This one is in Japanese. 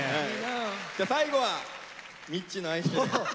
じゃあ最後はみっちーの「愛してる」。